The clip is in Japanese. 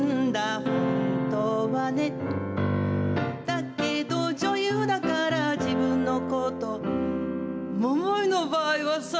「だけど女優だからじぶんのこと」「桃井の場合はさ」